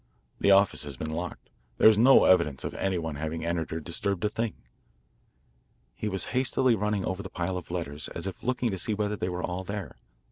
The office has been locked, and there is no evidence of any one having entered or disturbed a thing." He was hastily running over the pile of letters as if looking to see whether they were all there.